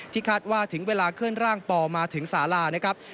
คาดว่าถึงเวลาเคลื่อนร่างปอมาถึงสารานะครับ